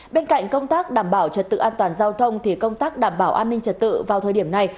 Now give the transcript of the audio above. bên cạnh công tác đảm bảo trật tự an toàn giao thông thì công tác đảm bảo an ninh trật tự vào thời điểm này